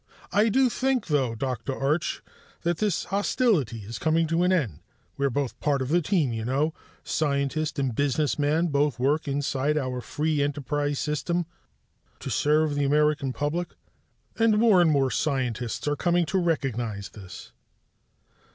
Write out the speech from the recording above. "I do think, though, Dr. Arch, that this hostility is coming to an end. We're both part of the team, you know; scientist and businessman both work inside our free enterprise system to serve the American public. And more and more scientists are coming to recognize this."